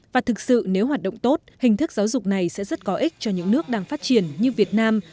và thực sự nếu hoạt động tốt hình thức giáo dục này sẽ rất có ích cho những nước đang phát triển như việt nam